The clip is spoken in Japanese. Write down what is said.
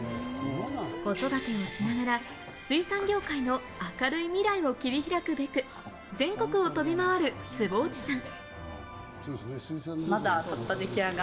子育てをしながら水産業界の明るい未来を切り開くべく全国を飛び回る坪内さん。